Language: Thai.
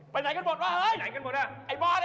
ไปไหนกันหมดวะ